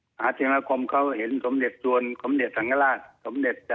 หาเทมาคมเขาเห็นสมเด็จจวนสมเด็จสังฆราชสมเด็จ